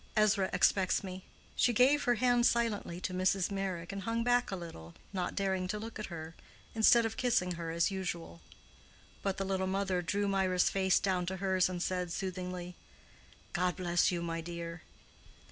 Ezra expects me." She gave her hand silently to Mrs. Meyrick and hung back a little, not daring to look at her, instead of kissing her, as usual. But the little mother drew Mirah's face down to hers, and said, soothingly, "God bless you, my dear."